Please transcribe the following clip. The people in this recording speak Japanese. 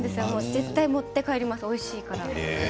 絶対持って帰りますおいしいから。